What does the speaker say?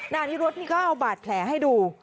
นายนิรุธนี่ก็เอาบาดแผลให้ดู